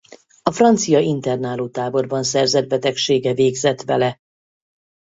A francia internálótáborban szerzett betegsége végzett vele.